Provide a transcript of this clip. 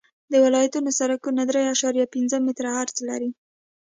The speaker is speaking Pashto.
د ولایتونو سرکونه درې اعشاریه پنځه متره عرض لري